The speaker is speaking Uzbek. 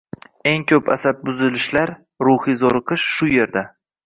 Eng ko‘p asabbuzilishlar, ruhiy zo‘riqish shu yerda.